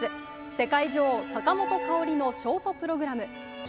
世界女王、坂本花織のショートプログラム。